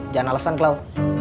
jangan alesan klau